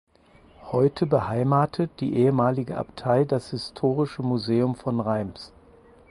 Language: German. Heute beheimatet die ehemalige Abtei das historische Museum von Reims.